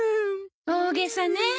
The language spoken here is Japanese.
大げさね。